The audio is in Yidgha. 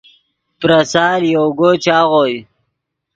پریسال یوگو چاغوئے